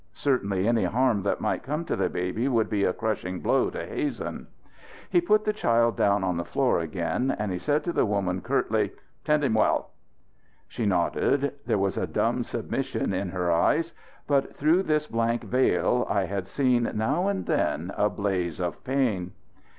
Certainly any harm that might come to the baby would be a crushing blow to Hazen. He put the child down on the floor again and he said to the woman curtly: "Tend him well." She nodded. There was a dumb submission in her eyes; but through this blank veil I had seen now and then a blaze of pain.